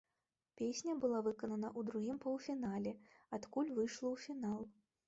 Песня была выканана ў другім паўфінале, адкуль выйшла ў фінал.